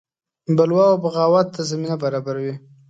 بلوا او بغاوت ته زمینه برابروي.